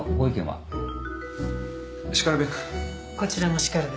こちらもしかるべく。